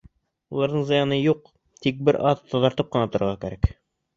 Уларҙың зыяны юҡ, тик бер аҙ таҙартып ҡына торорға кәрәк.